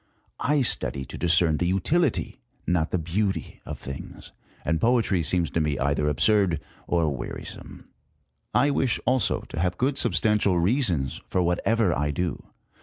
I study to discern the utility, not the beauty of things, and poetry seems to me either absurd or wearisome. I wish, also, to have good substantial reasons for whatever I do.